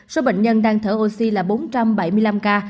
số bệnh nhân đang thở oxy là bốn trăm bảy mươi năm ca